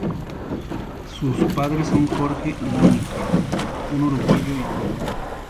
Sus padres son Jorge y Monika, un uruguayo y una alemana.